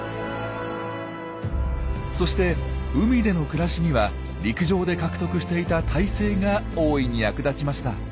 そして海での暮らしには陸上で獲得していた胎生が大いに役立ちました。